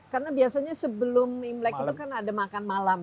karena biasanya sebelum imlek itu kan ada makan malam